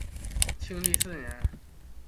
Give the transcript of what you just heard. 庆历四年。